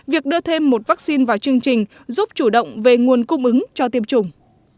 việc đưa thêm một vaccine vào chương trình giúp chủ động về nguồn cung ứng cho tiêm chủng